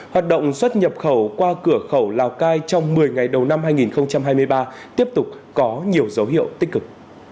hoạt động xuất nhập khẩu qua cửa khẩu lào cai trong một mươi ngày đầu năm hai nghìn hai mươi ba tiếp tục có nhiều dấu hiệu tích cực